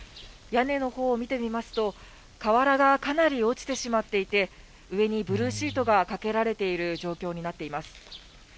屋根のほうを見てみますと、瓦がかなり落ちてしまっていて、上にブルーシートがかけられている状況になっています。